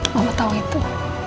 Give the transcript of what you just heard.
mama tau itu